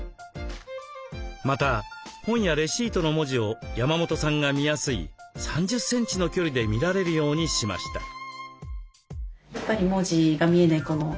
また本やレシートの文字を山本さんが見やすい３０センチの距離で見られるようにしました。